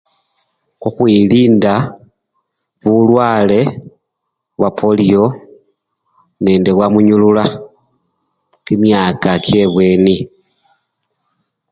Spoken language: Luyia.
Khukhwilinda bulwale bwapoliyo nende bwamunyulula kimiaka kyebweni.